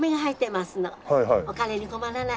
お金に困らない。